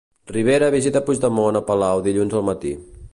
Rivera visita Puigdemont a palau dilluns al matí